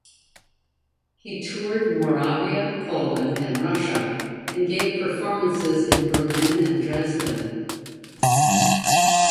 He toured Moravia, Poland, and Russia, and gave performances in Berlin and Dresden.